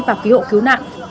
và cứu hộ cứu nạn